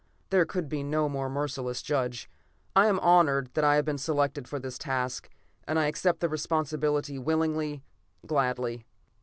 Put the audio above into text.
There could be no more merciless judge. I am honored that I have been selected for this task, and I accept the responsibility willingly, gladly.